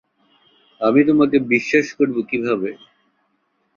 আমি তোমাকে বিশ্বাস করব কীভাবে?